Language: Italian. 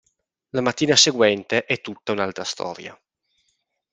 La mattina seguente è tutta un'altra storia.